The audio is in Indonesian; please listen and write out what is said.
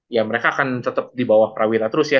ya mereka akan tetep di bawah prawira terus ya